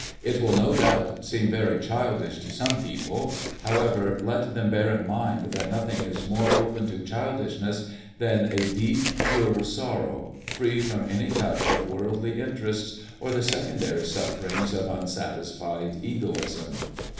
It will no doubt seem very childish to some people; however, let them bear in mind that nothing is more open to childishness than a deep, pure sorrow, free from any touch of worldly interests or the secondary sufferings of unsatisfied egoism.